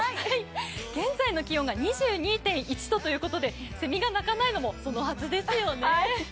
現在の気温が２２．１度ということでせみが鳴かないのも、そのはずですよね。